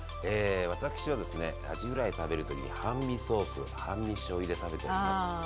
私はですねアジフライ食べる時に半身ソース半身しょうゆで食べております。